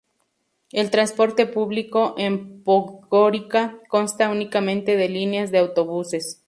El transporte público en Podgorica consta únicamente de líneas de autobuses.